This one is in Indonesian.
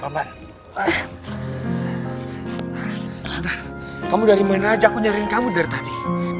sudah kamu dari mana aja aku nyari kamu dari tadi